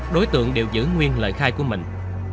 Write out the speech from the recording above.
đối tượng đều giữ nguyên lời khai của mình